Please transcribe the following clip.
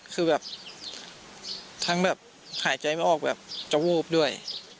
คือแบบทั้งแบบหายใจไม่ออกแบบจะวูบด้วย